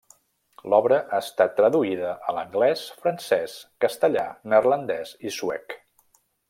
L'obra ha estat traduïda a l'anglès, francès, castellà, neerlandès i suec.